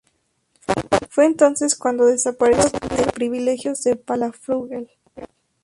Fue entonces cuando desapareció el "Libro de privilegios de Palafrugell".